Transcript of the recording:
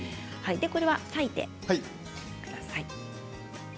これは裂いてください。